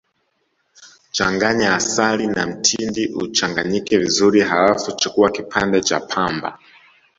Changanya asali na mtindi uchanganyike vizuri Halafu chukua kipande cha pamba